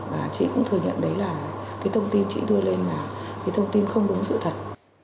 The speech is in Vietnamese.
và chị cũng thừa nhận đấy là cái thông tin chị đưa lên là cái thông tin không đúng sự thật